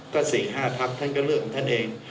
ก็ศิลป์๕ทักท่านก็เลือกสิทธิ์ที่เป็นเอง